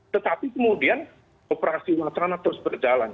tetapi kemudian operasi wacana terus berjalan